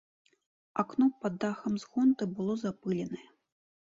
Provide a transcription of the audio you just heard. Акно пад дахам з гонты было запыленае.